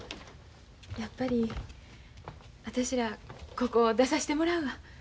やっぱり私らここを出さしてもらうわ。